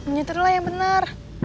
nyitirlah yang benar